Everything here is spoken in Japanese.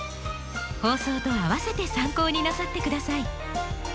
放送とあわせて参考になさって下さい。